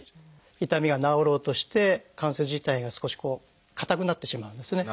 痛みが治ろうとして関節自体が少しこう硬くなってしまうんですね。